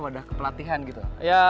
wadah kepelatihan gitu